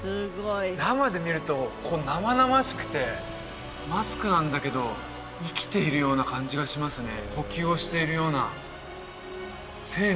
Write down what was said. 生で見ると生々しくてマスクなんだけど生きているような感じがしますね